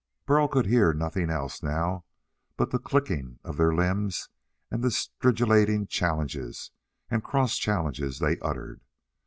Burl could hear nothing else, now, but the clickings of their limbs and the stridulating challenges and cross challenges they uttered.